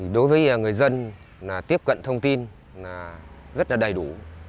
đối với người dân tiếp cận thông tin rất là đầy đủ